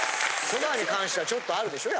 そばに関してはちょっとあるでしょ。